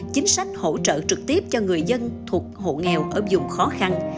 chính sách hỗ trợ trực tiếp cho người dân thuộc hộ nghèo ở dùng khó khăn